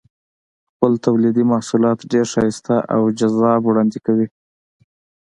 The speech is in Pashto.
خپل تولیدي محصولات ډېر ښایسته او جذاب وړاندې کوي.